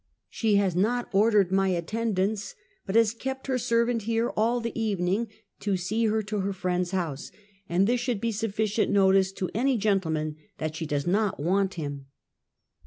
She has not ordered my attendance, but has kept her servant here all the evening to see her to her friend's house, and this should be sufficient notice to any gen tleman that she does not want him."